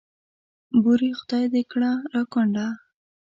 بورې خدای دې کړه را کونډه.